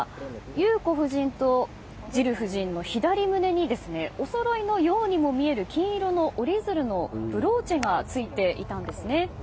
裕子夫人とジル夫人の左胸におそろいのようにも見える金色の折り鶴のブローチが着いていたんですね。